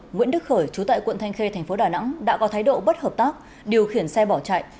nguyễn đức khởi chú tại quận thanh khê thành phố đà nẵng đã có thái độ bất hợp tác điều khiển xe bỏ chạy